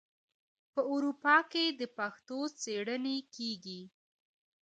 په اروپا کې د پښتو څیړنې کیږي.